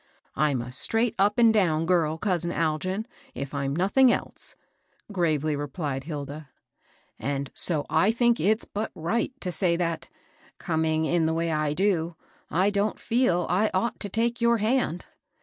" I'm a straight up and down girl, cousin Algin, if I'm nothing else," gravely replied Hilda ;" and so I think it's but right to say that, coming in the way I do, I don't feel I ought to take your hand.